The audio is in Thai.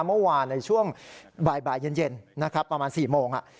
เมื่อวานในช่วงบ่ายเย็นนะครับประมาณ๔โมง